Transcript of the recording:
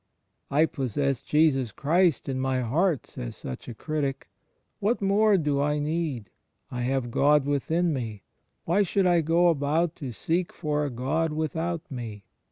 "I possess Jesus Christ in my heart," says such a critic. "What more do I need? I have God within me: why should I go about to seek for a God without me?